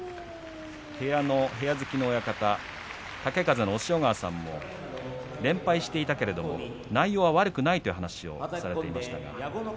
部屋の部屋付きの親方豪風の押尾川さんも連敗していたが内容は悪くないという話をなさっていました。